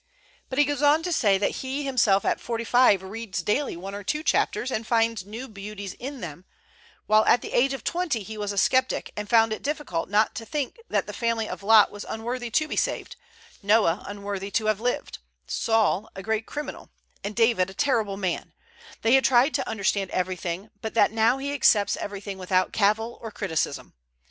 But he goes on to say that he himself at forty five reads daily one or two chapters, and finds new beauties in them, while at the age of twenty he was a sceptic, and found it difficult not to think that the family of Lot was unworthy to be saved, Noah unworthy to have lived, Saul a great criminal, and David a terrible man; that he had tried to understand everything, but that now he accepts everything without cavil or criticism.